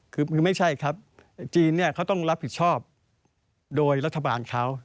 คือไม่ใช่ครับจีนเนี่ยเขาต้องรับผิดชอบโดยรัฐบาลเขา